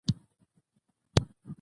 بدخشان د افغانستان د اقتصاد برخه ده.